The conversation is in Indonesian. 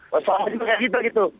soalnya itu kayak kita gitu